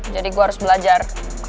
jadi gue harus belajar